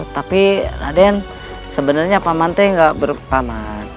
tapi raden sebenarnya paman tidak berbohong